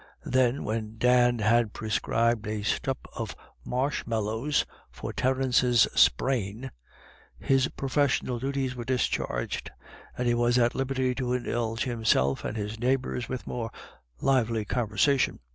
Then, when Dan had prescribed a stupe of marshmallows for Terence's sprain, his professional duties were discharged, and he was at liberty to indulge himself and his neighbours with more lively conversation.